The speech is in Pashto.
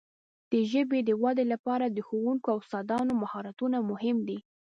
د ژبې د وده لپاره د ښوونکو او استادانو مهارتونه مهم دي.